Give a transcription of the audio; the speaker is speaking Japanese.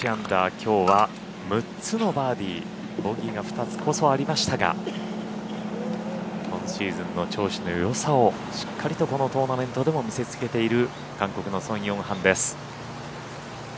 きょうは６つのバーディーボギーが２つこそありましたが今シーズンの調子のよさをしっかりとこのトーナメントでも見せつけている韓国のソン・ヨンハンです。